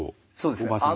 そうですね。